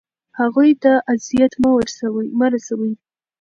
هغوی ته اذیت مه رسوئ.